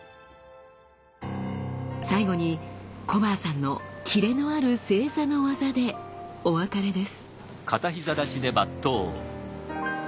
最後に小原さんのキレのある正座の業でお別れです。